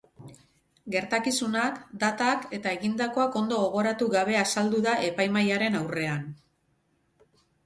Gertakizunak, datak eta egindakoak ondo gogoratu gabe azaldu da epaimahaiaren aurrean.